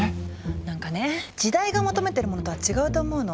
なんかね時代が求めてるものとは違うと思うの。